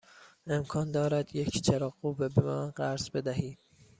امکان دارد یک چراغ قوه به من قرض بدهید؟